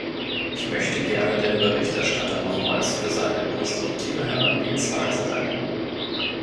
Ich möchte gerne dem Berichterstatter nochmals für seine konstruktive Herangehensweise danken.